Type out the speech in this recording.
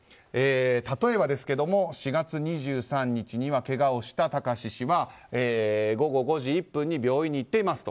例えばですが、４月２３日にはけがをした貴志氏は午後５時１分に病院に行っていますと。